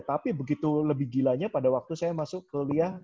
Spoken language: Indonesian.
tapi begitu lebih gilanya pada waktu saya masuk kuliah